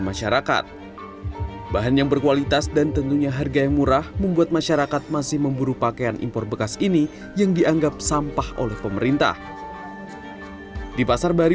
pedagang menyebut pakaian yang mereka jual mayoritas berasal dari jakarta bandung dan surabaya